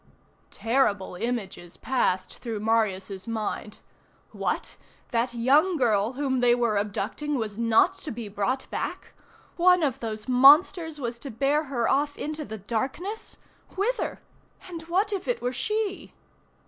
Terrible images passed through Marius' mind. What! That young girl whom they were abducting was not to be brought back? One of those monsters was to bear her off into the darkness? Whither? And what if it were she!